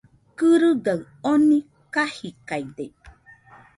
Kɨrɨgaɨ oni kajidaide